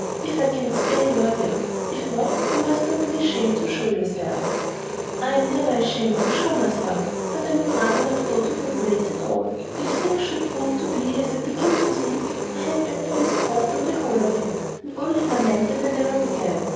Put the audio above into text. If I can spare you, I will. If not, you must not be ashamed to show yourself." "I am never ashamed to show myself. But I would rather not go to that place at all. If things should prove to be as I begin to think, I had better withdraw from the whole of it, and only lament that I ever began.